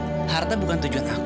gene yang tahu harta bukan tujuan aku